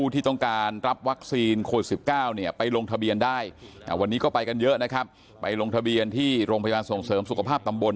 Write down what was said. ที่โรงพยาบาลส่งเสริมสุขภาพตำบล